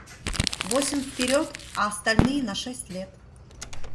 Восемь вперед, а остальные на шесть лет.